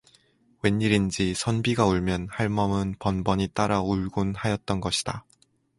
웬일인지 선비가 울면 할멈은 번번이 따라 울곤 하였던 것이다.